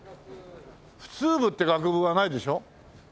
普通部って学部はないでしょ？